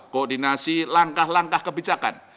koordinasi langkah langkah kebijakan